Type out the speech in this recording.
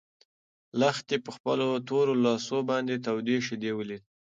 لښتې په خپلو تورو لاسو باندې تودې شيدې ولیدې.